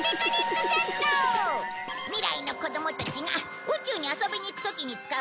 未来の子供たちが宇宙に遊びに行く時に使う道具だよ。